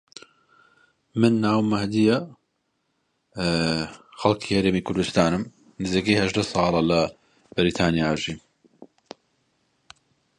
کێ عەزیز ناوە و ئێرانییە؟